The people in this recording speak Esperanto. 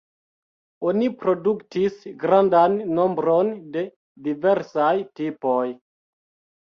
Oni produktis grandan nombron de diversaj tipoj.